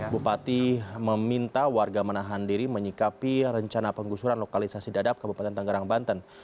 bupati meminta warga menahan diri menyikapi rencana penggusuran lokalisasi dadap ke bupati tangerang banten